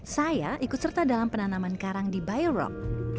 saya ikut serta dalam penanaman karang di bayorok